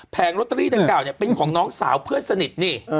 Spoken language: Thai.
แผงโนตรีเท่าเป็นของน้องสาวเพื่อนสนิท